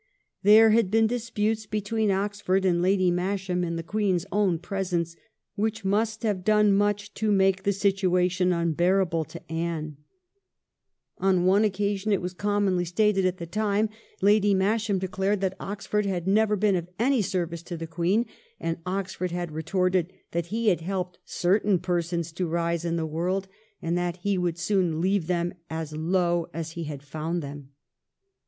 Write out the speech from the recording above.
There had been dis putes between Oxford and Lady Masham, in the Queen's own presence, which must have done much to make the situation unbearable to Anne. On one 1714 OXFOKFS DISMISSAL. 349 / occasion, it was commonly stated at the time, Lady Masham declared that Oxford had never been of any service to the Queen, and Oxford had retorted that he had helped certain persons to rise in the world, and that he would soon leave them as low as he had found them.